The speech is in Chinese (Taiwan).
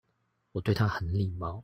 我對他很禮貌